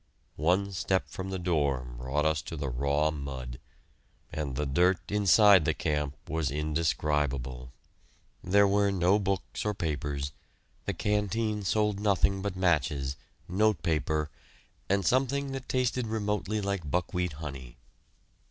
One step from the door brought us to the raw mud, and the dirt inside the camp was indescribable. There were no books or papers; the canteen sold nothing but matches, notepaper, and something that tasted remotely like buckwheat honey.